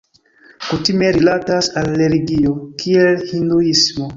Kutime rilatas al religio, kiel Hinduismo.